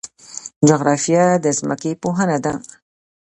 جغرافیه د ځمکې پوهنه ده